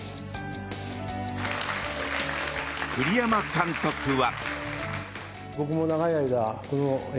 栗山監督は。